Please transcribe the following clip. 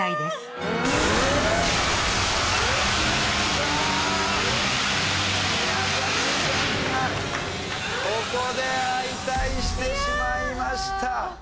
宮崎さんがここで敗退してしまいました。